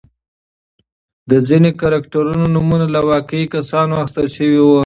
د ځینو کرکټرونو نومونه له واقعي کسانو اخیستل شوي وو.